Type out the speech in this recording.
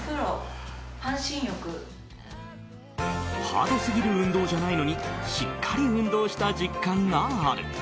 ハードすぎる運動じゃないのにしっかり運動した実感がある。